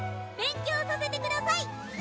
勉強させてください！